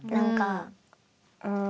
うん。